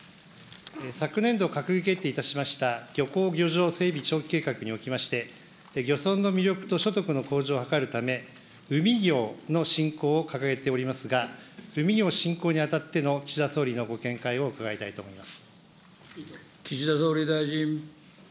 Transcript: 昨年度、閣議決定いたしました漁港漁場整備長期計画におきまして、漁村の魅力と所得の向上を図るため、海業の振興を掲げておりますが、海業振興にあたっての、岸田総理のご見解を伺いたいと思います。